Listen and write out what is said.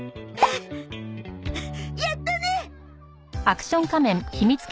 やったね！